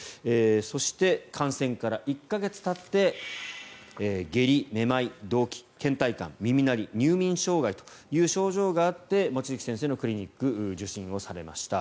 そして、感染から１か月たって下痢、めまい、動悸けん怠感、耳鳴り入眠障害という症状があって望月先生のクリニックを受診されました。